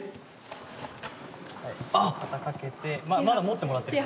まだ持ってもらってる。